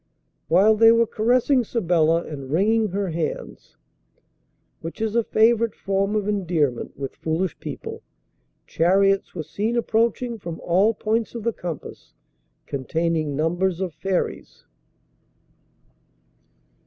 While they were caressing Sabella and wringing her hands (which is a favourite form of endearment with foolish people) chariots were seen approaching from all points of the compass, containing numbers of Fairies.